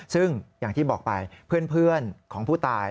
ซึ่งอย่างที่บอกไปเพื่อนของผู้ตาย